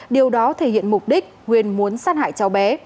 điều đó thể hiện mục đích huyền muốn sát hại cháu bé